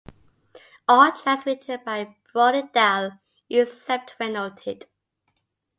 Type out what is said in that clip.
All tracks written by Brody Dalle except where noted.